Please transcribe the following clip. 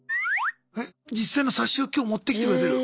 え実際の冊子を今日持ってきてくれてる。